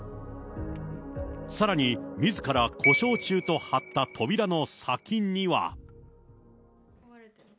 さらに、みずから故障中と貼った扉の先には。